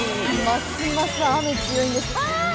ますます雨強いんですけどあっ！